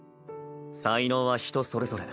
才能は人それぞれ。